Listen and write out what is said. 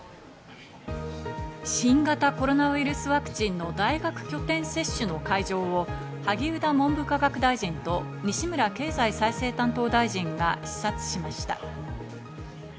新型コロナウイルスワクチンの大学拠点接種の会場を萩生田文部科学大臣と西村経済再生担当大臣が視察しました。